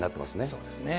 そうですね。